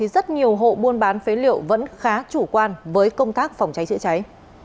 rất nhiều hộ buôn bán phế liệu vẫn khá chủ quan với công tác phòng cháy chữa cháy